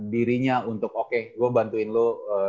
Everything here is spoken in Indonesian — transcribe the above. dirinya untuk oke gue bantuin lo